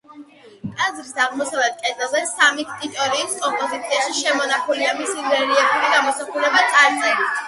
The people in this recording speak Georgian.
ტაძრის აღმოსავლეთ კედელზე სამი ქტიტორის კომპოზიციაში, შემონახულია მისი რელიეფური გამოსახულება, წარწერით.